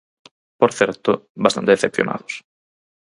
Por certo, bastante decepcionados.